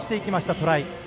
トライ。